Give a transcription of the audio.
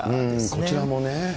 こちらもね。